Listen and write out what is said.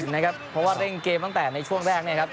เพราะว่าเร่งเกมตั้งแต่ในช่วงแรกเนี่ยครับ